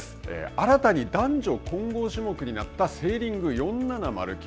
新たに男女混合種目になったセーリング４７０級